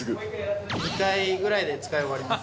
２回ぐらいで使い終わります